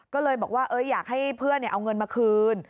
ก็เลยบอกว่าอยากให้เพื่อนเอาเงินมาคืน